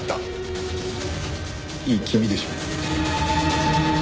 いい気味でしょ。